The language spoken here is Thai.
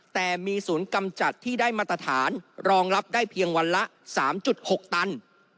แต่มีศูนย์กำจัดที่ได้มาตรฐานรองรับได้เพียงวันละ๓๖ตัน